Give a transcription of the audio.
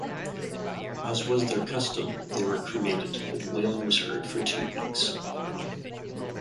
As was their custom, they were cremated and wailing was heard for two weeks.